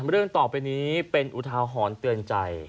เรื่องต่อไปนี้เป็นอุทาหรณ์เตือนใจ